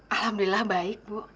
alhamdulillah baik bu